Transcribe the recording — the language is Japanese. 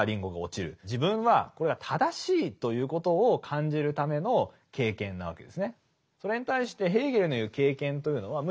自分はこれが正しいということを感じるための経験なわけですね。